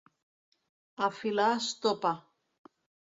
A filar estopa!